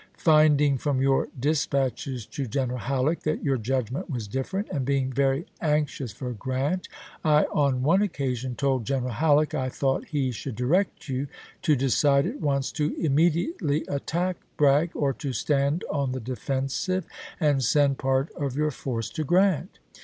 Find ing from your dispatches to General Halleck that youi' judgment was different, and being very anx ious for Grant, I, on one occasion, told General Halleck I thought he should direct you to decide at once to immediately attack Bragg or to stand on the defensive and send part of your force to Grant.